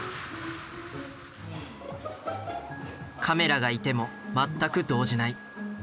カメラがいても全く動じない。